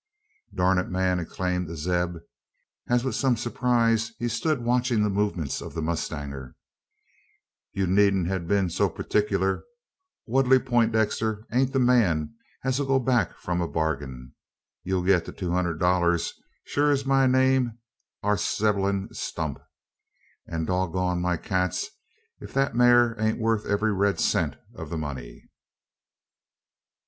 "Durn it, man!" exclaimed Zeb, as, with some surprise, he stood watching the movements of the mustanger, "ye needn't ha' been hef so purtickler! Wudley Pointdexter ain't the man as 'll go back from a barg'in. Ye'll git the two hunderd dollars, sure as my name air Zeblun Stump; an dog gone my cats, ef the maar ain't worth every red cent o' the money!"